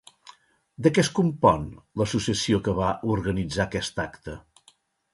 De què es compon l'associació que va organitzar aquest acte?